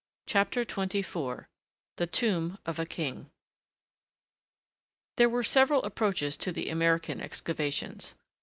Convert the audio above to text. CHAPTER XXIV THE TOMB OF A KING There were several approaches to the American excavations.